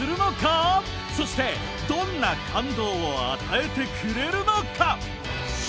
そしてどんな感動を与えてくれるのか？